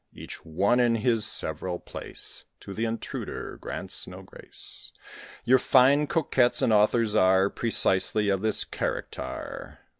Each one, in his several place, To the intruder grants no grace. Your fine coquettes and authors are Precisely of this character.